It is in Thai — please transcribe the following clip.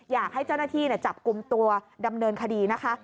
อยากให้เจ้าหน้าที่จับกลุ่มตัวดำเนินคดีนะคะ